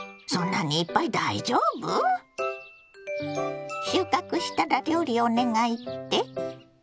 そんなにいっぱい大丈夫？収穫したら料理お願いって？